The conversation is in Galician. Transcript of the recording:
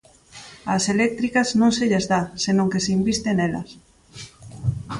Ás eléctricas non se lles dá, senón que se inviste nelas.